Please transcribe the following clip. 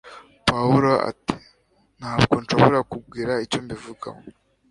Pawulo ati: "Ntabwo nshobora kugira icyo mbivugaho"